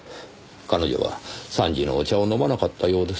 彼女は３時のお茶を飲まなかったようですねぇ。